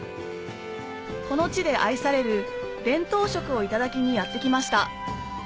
この地で愛される伝統食をいただきにやって来ました